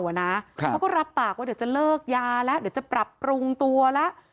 เขาก็รับปากว่าเดี๋ยวจะเลิกยาแล้วเดี๋ยวจะปรับปรุงตัวแล้ว